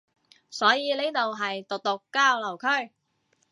所以呢度係毒毒交流區